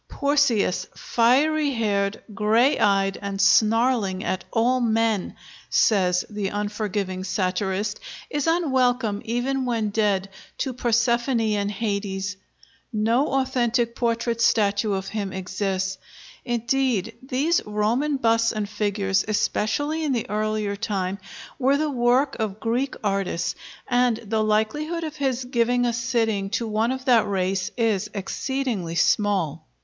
"Porcius, fiery haired, gray eyed, and snarling at all men, " says the unforgiving satirist, is unwelcome even when dead, to Persephone in Hades! No authentic portrait statue of him exists. Indeed these Roman busts and figures, especially in the earlier time, were the work of Greek artists, and the likelihood of his giving a sitting to one of that race is exceedingly small.